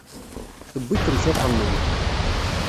Tewwi-kem tiṭ-nnem.